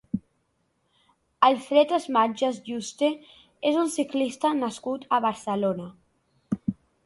Alfred Esmatges Yuste és un ciclista nascut a Barcelona.